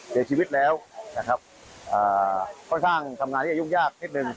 เสียชีวิตแล้วนะครับค่อนข้างทำงานที่อายุยากนิดนึง